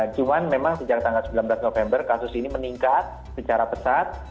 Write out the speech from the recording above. cuman memang sejak tanggal sembilan belas november kasus ini meningkat secara pesat